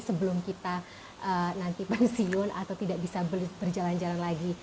sebelum kita nanti pensiun atau tidak bisa berjalan jalan lagi